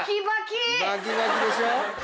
バキバキでしょ。